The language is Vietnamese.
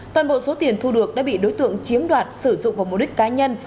toàn bộ số tiền thu được đã bị đối tượng chiếm đoạt sử dụng vào mục đích cá nhân